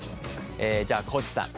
じゃあ地さん。